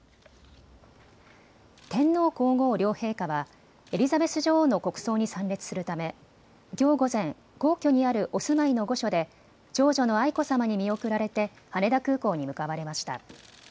天皇皇后両陛下はエリザベス女王の国葬に参列するためきょう午前、皇居にあるお住まいの御所で長女の愛子さまに見送られて羽田空港に向かわれました。